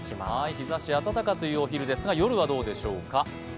日ざし暖かというお昼ですが、夜はどうでしょうか？